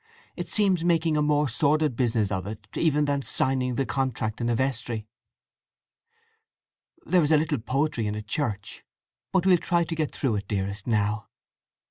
"It seems making a more sordid business of it even than signing the contract in a vestry. There is a little poetry in a church. But we'll try to get through with it, dearest, now."